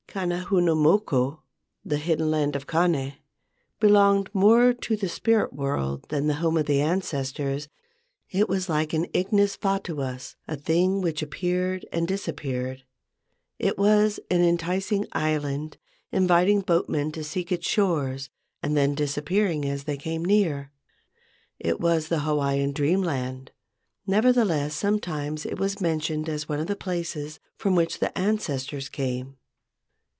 Kane huna moku (the hidden land of Kane) belonged more to the spirit world than the home of the ancestors. It was like an "ignis fatuus," a thing which appeared and disap¬ peared. It was an enticing island, inviting boatmen to seek its shores and then disappearing as they came near. It was the Hawaiian dreamland. Nevertheless, sometimes it was mentioned as one of the places from which the ancestors came.